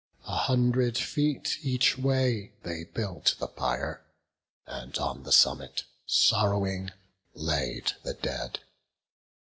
A hundred feet each way they built the pyre, And on the summit, sorrowing, laid the dead.